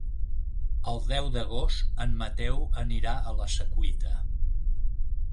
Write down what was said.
El deu d'agost en Mateu anirà a la Secuita.